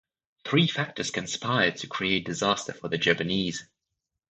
Three factors conspired to create disaster for the Japanese.